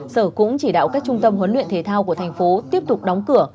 sở cũng chỉ đạo các trung tâm huấn luyện thể thao của thành phố tiếp tục đóng cửa